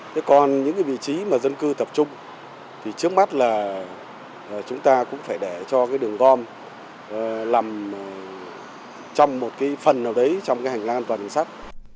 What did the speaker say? thế còn những vị trí mà dân cư tập trung thì trước mắt là chúng ta cũng phải để cho đường gom làm trong một phần nào đấy trong hành lang an toàn đường sắt